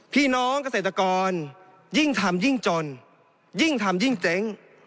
พี่น้องเกษตรกรยิ่งทำยิ่งจนยิ่งทำยิ่งเจ๊ง